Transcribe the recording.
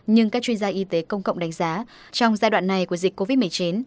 nhưng các chuyên gia y tế công cộng đánh giá trong giai đoạn này của dịch covid một mươi chín